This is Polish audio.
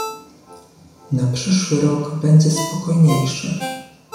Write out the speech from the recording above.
"Na przyszły rok będzie spokojniejszy."